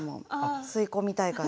吸い込みたい感じ。